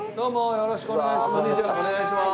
よろしくお願いします。